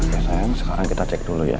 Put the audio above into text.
ya sayang sekarang kita cek dulu ya